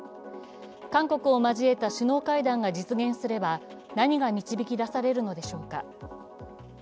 韓国を交えた首脳会談が実現すれば何が導き出されるのでしょうか。